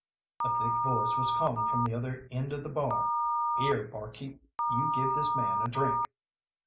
A thick voice was calling from the other end of the bar: "Here, bar keep, you give this man a drink!"